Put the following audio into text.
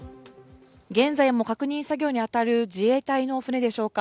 現在も確認作業に当たる自衛隊の船でしょうか。